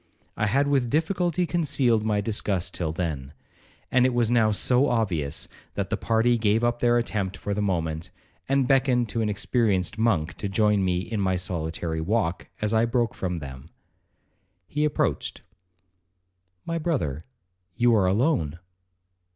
I had with difficulty concealed my disgust till then, and it was now so obvious, that the party gave up their attempt for the moment, and beckoned to an experienced monk to join me in my solitary walk, as I broke from them. He approached, 'My brother, you are alone.'